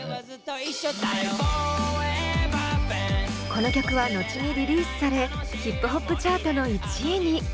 この曲は後にリリースされヒップホップチャートの１位に。